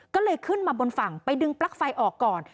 ก็เลยขึ้นมาบนฝั่งไปดึงปลั๊กไฟออกก่อน